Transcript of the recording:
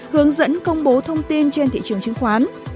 hướng dẫn công bố thông tin trên thị trường chứng khoán